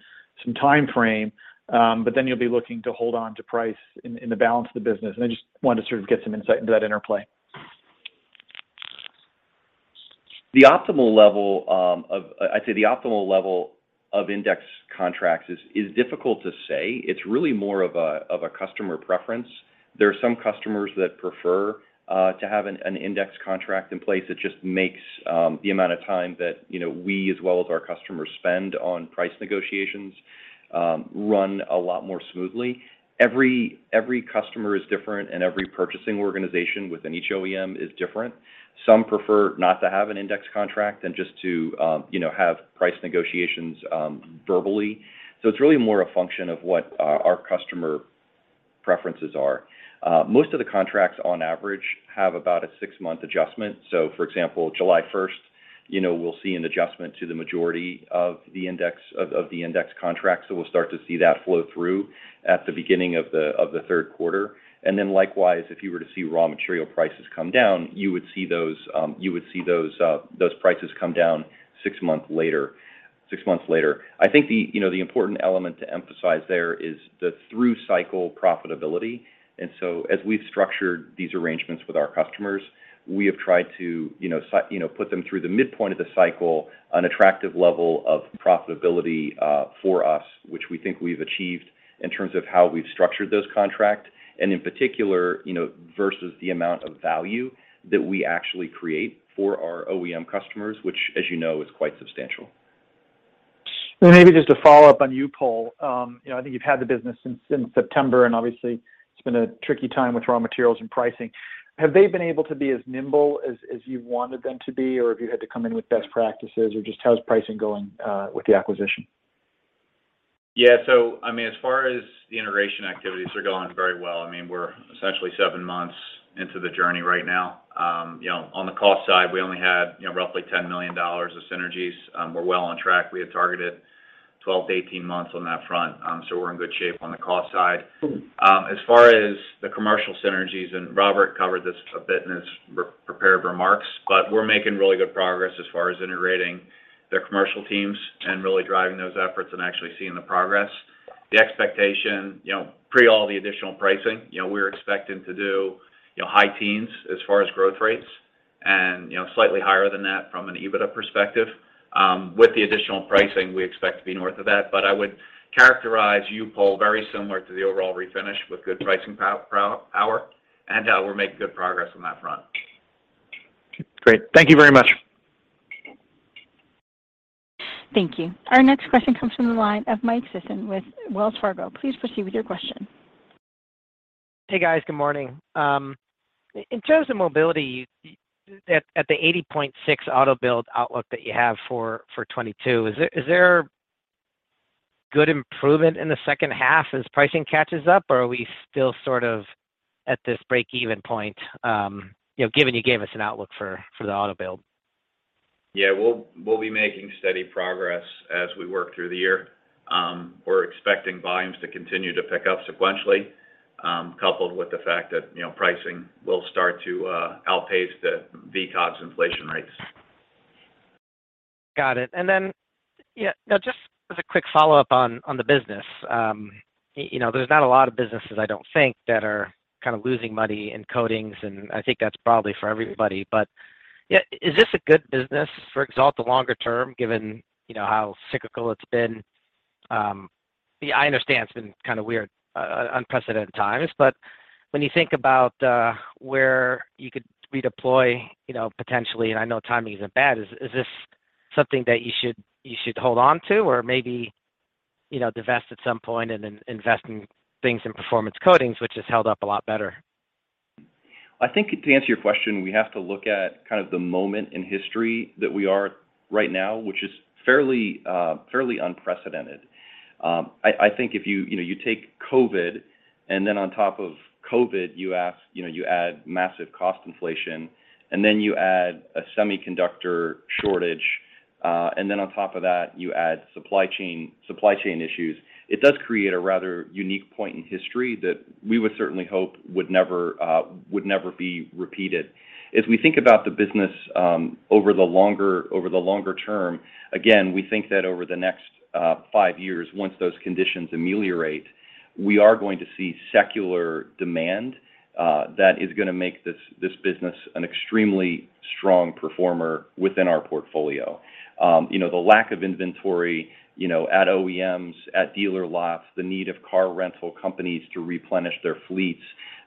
timeframe, but then you'll be looking to hold on to price in the balance of the business. I just wanted to sort of get some insight into that interplay. I'd say the optimal level of index contracts is difficult to say. It's really more of a customer preference. There are some customers that prefer to have an index contract in place. It just makes the amount of time that, you know, we as well as our customers spend on price negotiations run a lot more smoothly. Every customer is different, and every purchasing organization within each OEM is different. Some prefer not to have an index contract and just to, you know, have price negotiations verbally. It's really more a function of what our customer preferences are. Most of the contracts on average have about a six-month adjustment. For example, July first, you know, we'll see an adjustment to the majority of the index contracts. We'll start to see that flow through at the beginning of the third quarter. Then likewise, if you were to see raw material prices come down, you would see those prices come down six months later. I think you know the important element to emphasize there is the through-cycle profitability. As we've structured these arrangements with our customers, we have tried to you know put them through the midpoint of the cycle an attractive level of profitability for us, which we think we've achieved in terms of how we've structured those contracts, and in particular you know versus the amount of value that we actually create for our OEM customers, which as you know is quite substantial. Maybe just to follow up on U-POL. You know, I think you've had the business since September, and obviously it's been a tricky time with raw materials and pricing. Have they been able to be as nimble as you wanted them to be, or have you had to come in with best practices, or just how's pricing going with the acquisition? Yeah. I mean, as far as the integration activities, they're going very well. I mean, we're essentially seven months into the journey right now. On the cost side, we only had roughly $10 million of synergies. We're well on track. We had targeted 12 to 18 months on that front. We're in good shape on the cost side. As far as the commercial synergies, Robert covered this a bit in his prepared remarks, but we're making really good progress as far as integrating their commercial teams and really driving those efforts and actually seeing the progress. The expectation pre all the additional pricing, we were expecting to do high teens as far as growth rates and slightly higher than that from an EBITDA perspective. With the additional pricing, we expect to be north of that. I would characterize U-POL very similar to the overall Refinish with good pricing power, and we're making good progress on that front. Great. Thank you very much. Thank you. Our next question comes from the line of Mike Sison with Wells Fargo. Please proceed with your question. Hey, guys. Good morning. In terms of Mobility, at the 80.6 auto build outlook that you have for 2022, is there good improvement in the second half as pricing catches up, or are we still sort of at this break-even point? You know, given you gave us an outlook for the auto build. Yeah, we'll be making steady progress as we work through the year. We're expecting volumes to continue to pick up sequentially, coupled with the fact that, you know, pricing will start to outpace the VCOBS inflation rates. Got it. Yeah. Now just as a quick follow-up on the business, you know, there's not a lot of businesses I don't think that are kind of losing money in coatings, and I think that's probably for everybody. Yeah, is this a good business for Axalta longer term, given, you know, how cyclical it's been? I understand it's been kind of weird, unprecedented times, but when you think about where you could redeploy, you know, potentially, and I know timing isn't bad, is this something that you should hold on to or maybe, you know, divest at some point and invest in things in Performance Coatings, which has held up a lot better? I think to answer your question, we have to look at kind of the moment in history that we are right now, which is fairly unprecedented. I think if you know, you take COVID, and then on top of COVID, you add massive cost inflation, and then you add a semiconductor shortage, and then on top of that, you add supply chain issues. It does create a rather unique point in history that we would certainly hope would never be repeated. As we think about the business, over the longer term, again, we think that over the next five years, once those conditions ameliorate, we are going to see secular demand that is gonna make this business an extremely strong performer within our portfolio. You know, the lack of inventory, you know, at OEMs, at dealer lots, the need of car rental companies to replenish their fleets.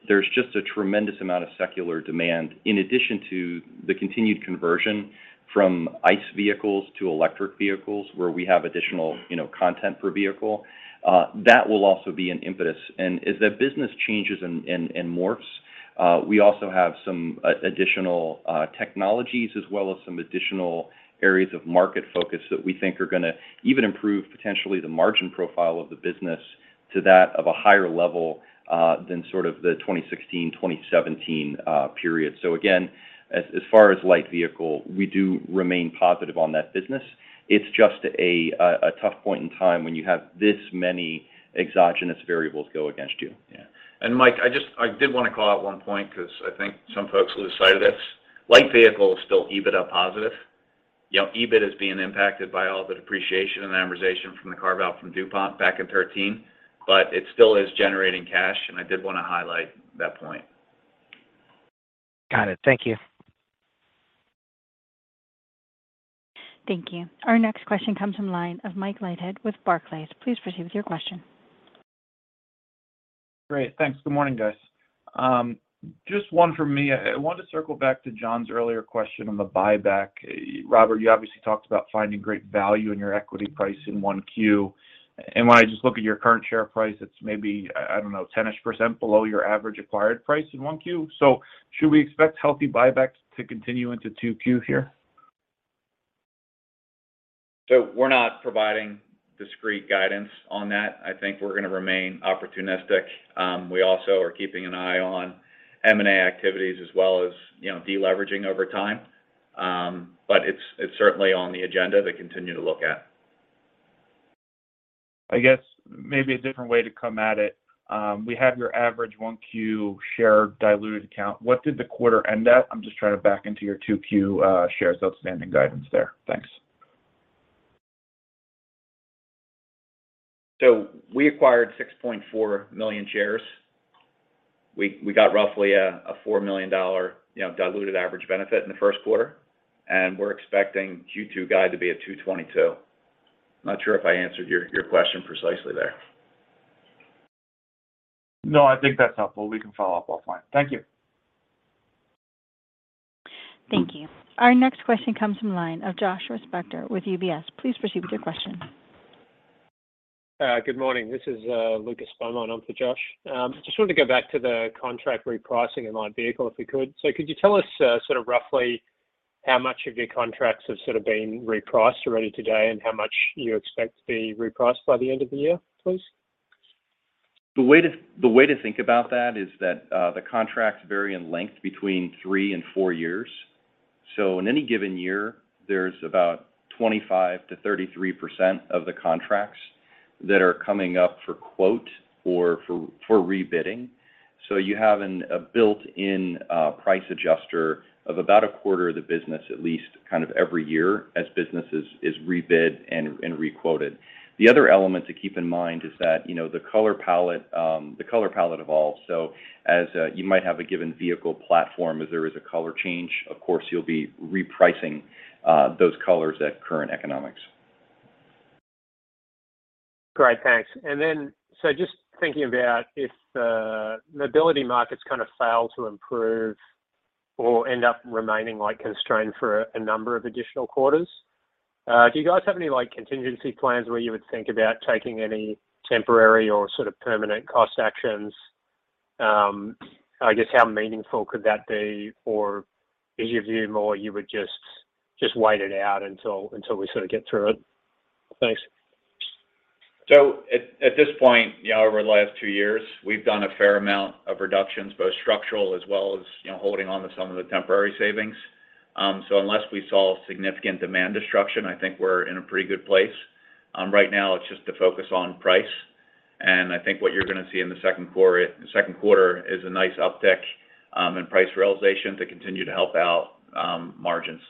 There's just a tremendous amount of secular demand in addition to the continued conversion from ICE vehicles to electric vehicles where we have additional, you know, content per vehicle. That will also be an impetus. As that business changes and morphs, we also have some additional technologies as well as some additional areas of market focus that we think are gonna even improve potentially the margin profile of the business to that of a higher level than sort of the 2016, 2017 period. Again, as far as Light Vehicle, we do remain positive on that business. It's just a tough point in time when you have this many exogenous variables go against you. Yeah. Mike, I did wanna call out one point because I think some folks lose sight of this. Light Vehicle is still EBITDA positive. You know, EBIT is being impacted by all the depreciation and amortization from the carve-out from DuPont back in 2013, but it still is generating cash, and I did wanna highlight that point. Got it. Thank you. Thank you. Our next question comes from line of Mike Leithead with Barclays. Please proceed with your question. Great. Thanks. Good morning, guys. Just one from me. I want to circle back to John's earlier question on the buyback. Robert, you obviously talked about finding great value in your equity price in 1Q. When I just look at your current share price, it's maybe, I don't know, 10-ish percent below your average acquired price in 1Q. Should we expect healthy buybacks to continue into 2Q here? We're not providing discrete guidance on that. I think we're gonna remain opportunistic. We also are keeping an eye on M&A activities as well as, you know, de-leveraging over time. It's certainly on the agenda to continue to look at. I guess maybe a different way to come at it. We have your average 1Q share diluted count. What did the quarter end at? I'm just trying to back into your 2Q shares outstanding guidance there. Thanks. We acquired 6.4 million shares. We got roughly a $4 million, you know, diluted average benefit in the first quarter, and we're expecting Q2 guide to be at 222. Not sure if I answered your question precisely there. No, I think that's helpful. We can follow up offline. Thank you. Thank you. Our next question comes from the line of Joshua Spector with UBS. Please proceed with your question. Good morning. This is Lucas Beaumont on for Josh. Just wanted to go back to the contract repricing in light vehicle, if we could. Could you tell us sort of roughly how much of your contracts have sort of been repriced already today, and how much you expect to be repriced by the end of the year, please? The way to think about that is that the contracts vary in length between three and four years. In any given year, there's about 25%-33% of the contracts that are coming up for quote or for rebidding. You have a built-in price adjuster of about a quarter of the business at least kind of every year as business is rebid and requoted. The other element to keep in mind is that, you know, the color palette evolves. As you might have a given vehicle platform, if there is a color change, of course you'll be repricing those colors at current economics. Great. Thanks. Just thinking about if the mobility markets kind of fail to improve or end up remaining, like, constrained for a number of additional quarters, do you guys have any, like, contingency plans where you would think about taking any temporary or sort of permanent cost actions? I guess how meaningful could that be? Or is it more you would just wait it out until we sort of get through it? Thanks. At this point, you know, over the last two years, we've done a fair amount of reductions, both structural as well as, you know, holding on to some of the temporary savings. Unless we saw significant demand destruction, I think we're in a pretty good place. Right now it's just the focus on price. I think what you're gonna see in the second quarter is a nice uptick in price realization to continue to help out margins.